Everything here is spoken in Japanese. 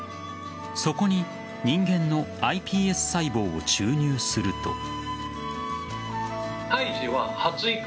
そこに人間のｉＰＳ細胞を注入すると。